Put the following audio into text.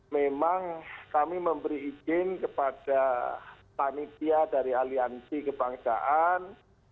memang kami memberi izin kepada panitia dari aliansi kebangsaan